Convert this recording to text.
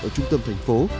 ở trung tâm thành phố